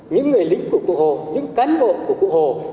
những người lính cụ hồ những cán bộ của cụ hồ